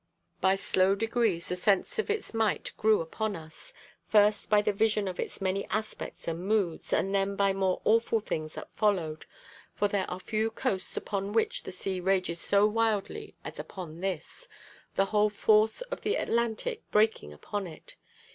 By slow degrees the sense of its might grew upon us, first by the vision of its many aspects and moods, and then by more awful things that followed; for there are few coasts upon which the sea rages so wildly as upon this, the whole force of the Atlantic breaking upon it.